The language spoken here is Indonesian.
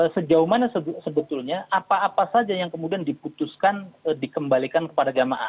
sejauh mana sebetulnya apa apa saja yang kemudian diputuskan dikembalikan kepada jamaah